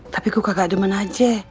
tapi gue kagak demen aja